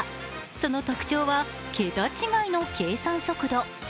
その特徴は、桁違いの計算速度。